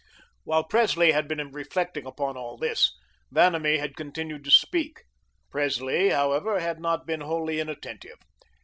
While Presley had been reflecting upon all this, Vanamee had continued to speak. Presley, however, had not been wholly inattentive.